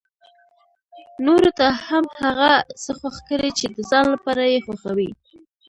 نورو ته هم هغه څه خوښ کړي چې د ځان لپاره يې خوښوي.